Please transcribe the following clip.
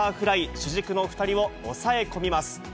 主軸の２人を抑え込みます。